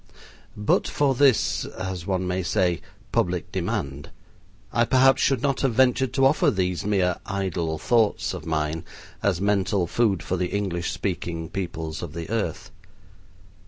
But for this, as one may say, public demand, I perhaps should not have ventured to offer these mere "idle thoughts" of mine as mental food for the English speaking peoples of the earth.